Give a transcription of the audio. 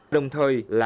đồng thời là